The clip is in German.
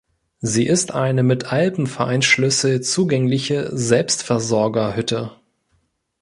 Sie ist eine mit Alpenvereins-Schlüssel zugängliche Selbstversorgerhütte.